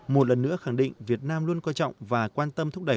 một lần nữa khẳng định việt nam luôn coi trọng và quan tâm thúc đẩy